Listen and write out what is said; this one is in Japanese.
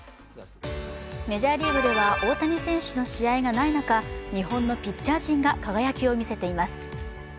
メジャーリーグでは大谷選手の試合がない中日本のピッチャー陣が輝きを見せています。